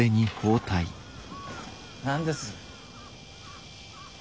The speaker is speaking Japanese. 何です？